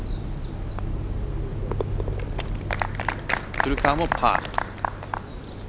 古川もパー。